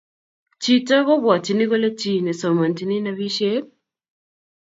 Chito kupwatini kole chi ne somanchin napishet